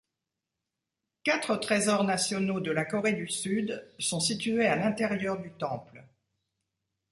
Quatre trésors nationaux de la Corée du Sud sont situés à l'intérieur du temple.